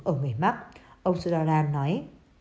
ở người mắc ông sudararan nói